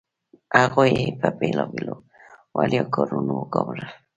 هغوی یې په بیلابیلو وړيا کارونو وګمارل.